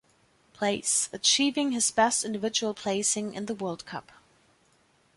Place, achieving his best individual placing in the World cup.